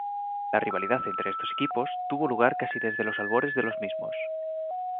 La rivalidad entre estos equipos, tuvo lugar casi desde los albores de los mismos.